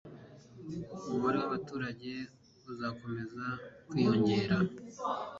umubare w'abuturage uzakomeza kwiyongera